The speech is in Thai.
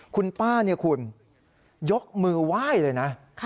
คุณป้านี่คุณยกมือไหว้เลยนะ